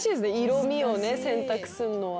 色みを選択するのは。